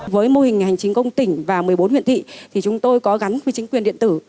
với mô hình hành chính công tỉnh và một mươi bốn huyện thị thì chúng tôi có gắn với chính quyền điện tử